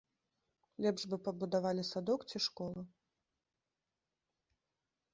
Лепш бы пабудавалі садок ці школу.